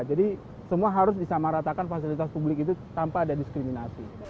jadi semua harus disamaratakan fasilitas publik itu tanpa ada diskriminasi